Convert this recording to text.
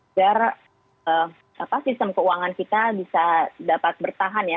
agar sistem keuangan kita bisa dapat bertahan ya